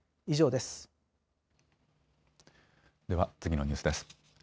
では、次のニュースです。